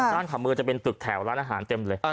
ด้านขวามือจะไปเป็นแรกแถวบนร้านอาหารเต็มจริง